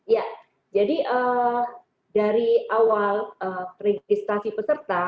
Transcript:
ya jadi dari awal registrasi peserta